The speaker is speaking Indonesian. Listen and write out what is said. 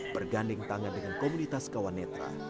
bergandeng tangan dengan komunitas kawan netra